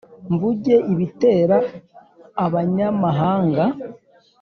mvuge ibitera abanyamahanga